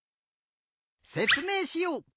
せつめいしよう。